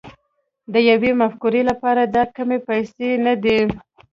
د يوې مفکورې لپاره دا کمې پيسې نه دي.